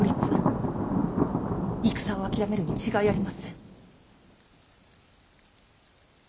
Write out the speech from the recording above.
戦を諦めるに違いありません。